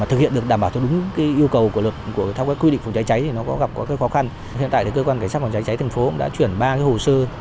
hiện tại cơ quan cảnh sát phòng cháy chữa cháy thành phố đã chuyển ba hồ sơ